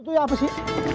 itu ya apa sih